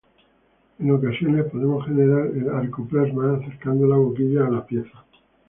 En ocasiones podemos generar el "arco-plasma" acercando la boquilla a la pieza.